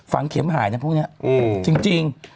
ฝังเข็มหายนะพวกเนี่ยจริง